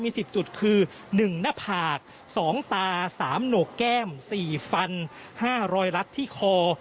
มี๑๐จุดคือ๑หน้าผาก๒ตา๓โหนกแก้ม๔ฟัน๕รอยรัดที่คอ